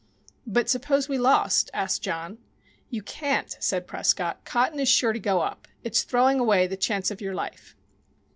"But suppose we lost?" asked John. "You can't," said Prescott. "Cotton is sure to go up. It's throwing away the chance of your life."